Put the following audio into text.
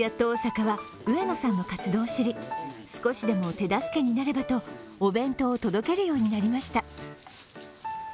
大阪は上野さんの活動を知り少しでも手助けになればと、お弁当を届けるようになりました。